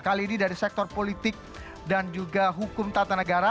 kali ini dari sektor politik dan juga hukum tata negara